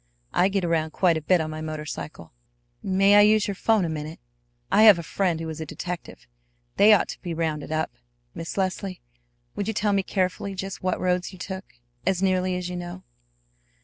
I get around quite a bit on my motor cycle. May I use your 'phone a minute? I have a friend who is a detective. They ought to be rounded up. Miss Leslie, would you tell me carefully just what roads you took, as nearly as you know?"